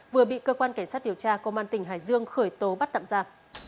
vừa bị cơ quan cảnh sát điều tra công an tỉnh hải dương khởi tố bắt tạm ra